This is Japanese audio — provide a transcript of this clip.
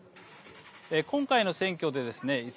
今回の選挙でですね